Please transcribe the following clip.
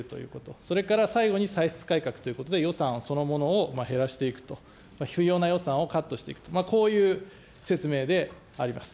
それから最後に歳出改革ということで、予算そのものを減らしていくと、不要な予算をカットしていくと、こういう説明でありますと。